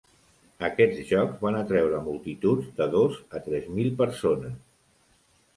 Aquests jocs van atreure multituds de dos a tres mil persones.